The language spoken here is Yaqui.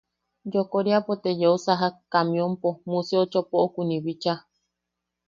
Yokoriapo te yeusajak camionpo Museo Chopokuni bicha.